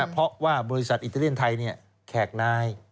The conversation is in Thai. เพราะว่าบริษัทอิตาเลียนไทยแขกนาย